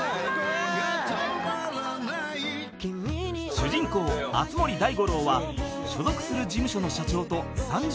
［主人公熱護大五郎は所属する事務所の社長と３０年の腐れ縁。